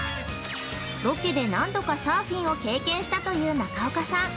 ◆ロケで何度かサーフィンを経験したという中岡さん。